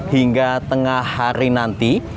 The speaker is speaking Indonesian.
hingga tengah hari nanti